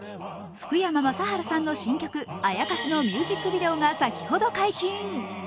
福山雅治さんの新曲「妖」のミュージックビデオが先ほど解禁。